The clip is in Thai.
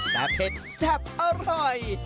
แต่เผ็ดแซ่บอร่อย